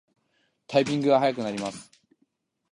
タイピングが早くなります